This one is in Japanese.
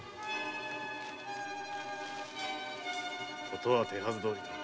「事は手はずどおり。